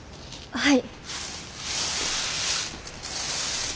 はい。